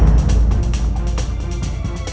saya sudah selesai mencari